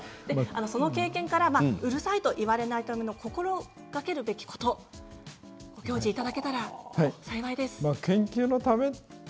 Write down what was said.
その経験からうるさいと言われないために心がけるべきことをご教授くださいますか？